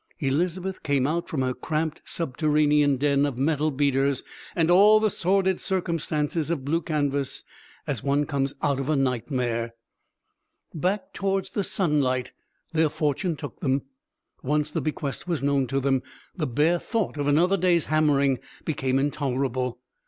Elizabeth came out from her cramped subterranean den of metal beaters and all the sordid circumstances of blue canvas, as one comes out of a nightmare. Back towards the sunlight their fortune took them; once the bequest was known to them, the bare thought of another day's hammering became intolerable.